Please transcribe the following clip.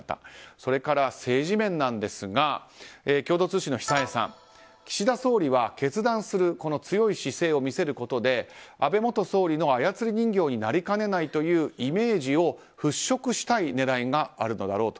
それから、政治面なんですが共同通信の久江さん岸田総理は決断する強い姿勢を見せることで安倍元総理の操り人形になりかねないというイメージを払拭したい狙いがあるのだろうと。